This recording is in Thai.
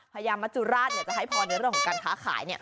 พญามัจจุราชจะให้พอเนื้อเรื่องของการค้าขายเนี่ย